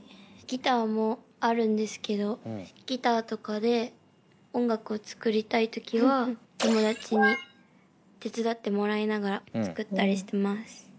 ギターもあるんですけどギターとかで音楽を作りたい時は友達に手伝ってもらいながら作ったりしてます。